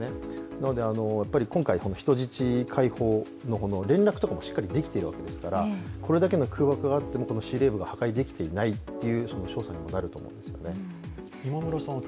なので今回、人質解放の連絡とかもしっかりできているわけですからこれだけの空爆があっても司令部が破壊できていないという証左にもなると思いますね。